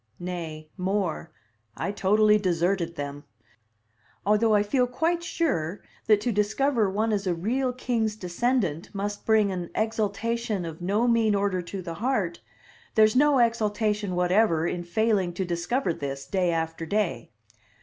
Nay, more; I totally deserted them. Although I feel quite sure that to discover one is a real king's descendant must bring an exultation of no mean order to the heart, there's no exultation whatever in failing to discover this, day after day.